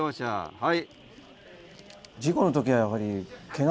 ☎はい。